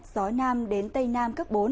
gió nam đến tây nam cấp bốn